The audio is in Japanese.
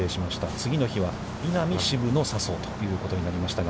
次の日は、稲見、渋野、誘うということになりましたが。